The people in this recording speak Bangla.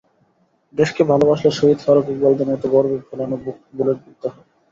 দেশকে ভালোবাসলে শহীদ ফারুক ইকবালদের মতো গর্বে ফোলানো বুক বুলেটবিদ্ধ হয়।